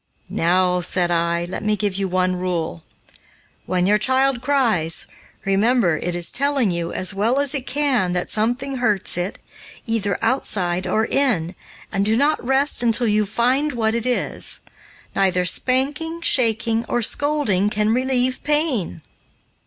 "Now," said I, "let me give you one rule: when your child cries, remember it is telling you, as well as it can, that something hurts it, either outside or in, and do not rest until you find what it is. Neither spanking, shaking, or scolding can relieve pain."